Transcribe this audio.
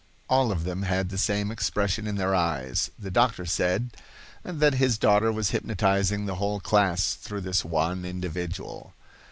All of them had the same expression in their eyes. The doctor said that his daughter was hypnotizing the whole class through this one individual.